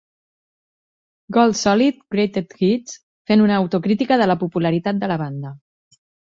"Gold Solid - Greatest Hits" fent una autocrítica de la popularitat de la banda.